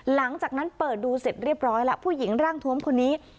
หลังจากนั้นเปิดดูเสร็จเรียบร้อยแล้วผู้หญิงร่างทวมคนนี้